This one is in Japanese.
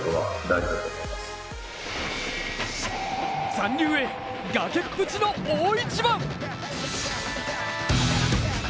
残留へ崖っぷちの大一番。